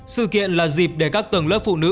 sự kiện là dịp để các tầng lớp phụ nữ